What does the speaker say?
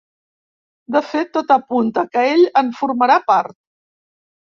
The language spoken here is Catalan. De fet, tot apunta que ell en formarà part.